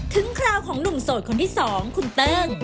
ถึงคราวของหนุ่มโสดคนที่สองคุณเติม